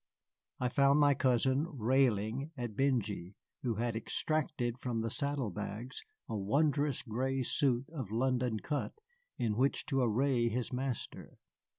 I found my cousin railing at Benjy, who had extracted from the saddle bags a wondrous gray suit of London cut in which to array his master.